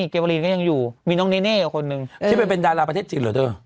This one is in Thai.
ก็ยังอยู่มีน้องคนหนึ่งใช่ไหมเป็นดาราประเทศจีนเหรอเถอะ